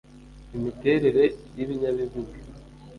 imiterere y’ibinyabiziga